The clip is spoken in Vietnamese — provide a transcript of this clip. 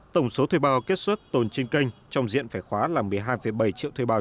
tổng số thuê bao kết xuất tồn trên kênh trong diện phải khóa là một mươi hai bảy triệu thuê bao